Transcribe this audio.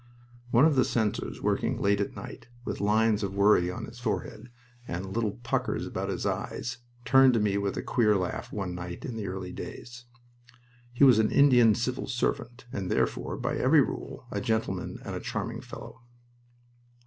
One of the censors working late at night, with lines of worry on his forehead and little puckers about his eyes, turned to me with a queer laugh, one night in the early days. He was an Indian Civil Servant, and therefore, by every rule, a gentleman and a charming fellow.